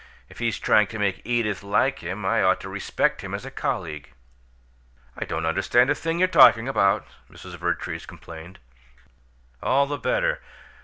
If he's trying to make Edith like him, I ought to respect him as a colleague." "I don't understand a thing you're talking about," Mrs. Vertrees complained. "All the better!